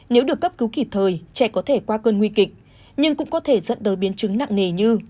nếu được cấp cứu kịp thời trẻ có thể qua cơn nguy kịch nhưng cũng có thể dẫn tới biến chứng nặng nề như